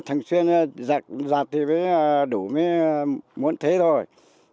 thường xuyên giặt thì đủ mới muốn thế thôi